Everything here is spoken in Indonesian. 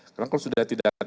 karena kalau sudah tidak taat